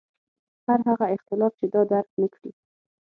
هر هغه اختلاف چې دا درک نکړي.